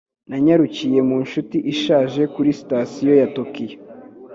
Nanyarukiye mu nshuti ishaje kuri Sitasiyo ya Tokiyo.